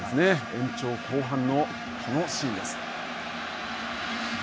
延長後半のこのシーンです。